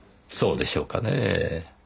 そうでしょうかねぇ？